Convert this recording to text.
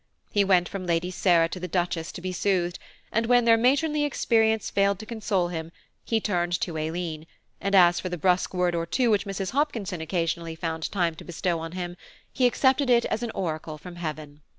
He went from Lady Sarah to the Duchess to be soothed, and when their matronly experience failed to console him, he turned to Aileen, and as for the brusque word or two which Mrs. Hopkinson occasionally found time to bestow on him, he accepted it as an oracle from heaven.